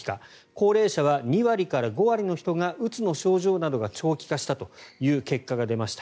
高齢者は２割から５割の人がうつの症状などが長期化したという結果が出ました。